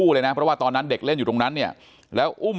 เลยนะเพราะว่าตอนนั้นเด็กเล่นอยู่ตรงนั้นเนี่ยแล้วอุ้ม